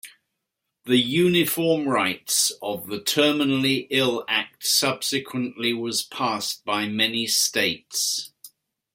The Uniform Rights of the Terminally Ill Act subsequently was passed by many states.